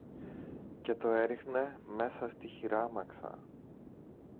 και το έριχνε μέσα στη χειράμαξα.